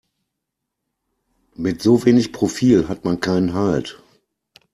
Mit so wenig Profil hat man keinen Halt.